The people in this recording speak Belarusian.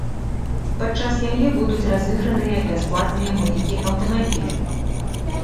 Падчас яе будуць разыграныя бясплатныя мыйкі аўтамабіля.